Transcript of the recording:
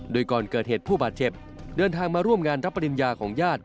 โดยก่อนเกิดเหตุผู้บาดเจ็บเดินทางมาร่วมงานรับปริญญาของญาติ